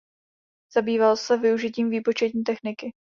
Zabýval se využitím výpočetní techniky.